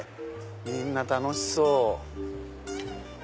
みんな楽しそう！